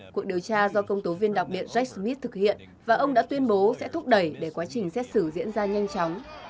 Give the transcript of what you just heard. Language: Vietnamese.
cuộc điều tra do công tố viên đặc biệt jack smith thực hiện và ông đã tuyên bố sẽ thúc đẩy để quá trình xét xử diễn ra nhanh chóng